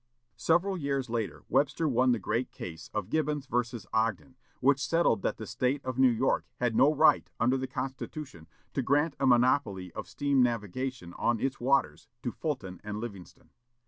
Several years later, Webster won the great case of Gibbons vs. Ogden, which settled that the State of New York had no right, under the Constitution, to grant a monopoly of steam navigation, on its waters, to Fulton and Livingston.